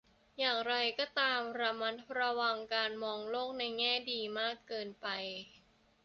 อย่างไรก็ตาม ระมัดระวังการมองโลกในแง่ดีมากเกินไป